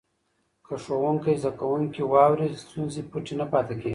که ښوونکی زده کوونکي واوري، ستونزې پټې نه پاته کېږي.